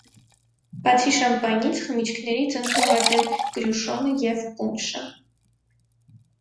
Բացի շամպայնից՝ խմիչքներից ընդունված են կրյուշոնը և պունշը։